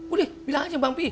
udah bilang aja bang pi